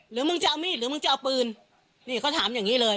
มึงจะเอามีดหรือมึงจะเอาปืนนี่เขาถามอย่างนี้เลย